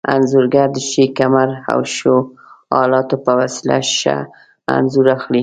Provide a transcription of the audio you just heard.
انځورګر د ښې کمرې او ښو الاتو په وسیله ښه انځور اخلي.